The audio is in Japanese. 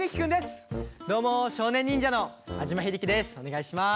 どうも少年忍者の安嶋秀生です。